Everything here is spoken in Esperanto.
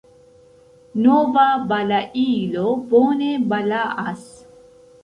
Nova balailo bone balaas.